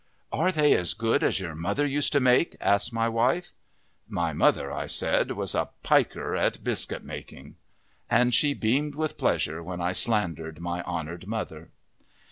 "Are they as good as your mother used to make?" asked my wife. "My mother," I said, "was a piker at biscuit making!" And she beamed with pleasure when I slandered my honored mother!